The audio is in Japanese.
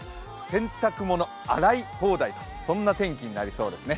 洗濯物、洗い放題そんな天気になりそうですね。